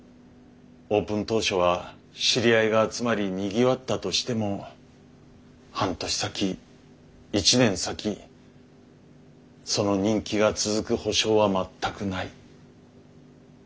オープン当初は知り合いが集まりにぎわったとしても半年先１年先その人気が続く保証は全くない。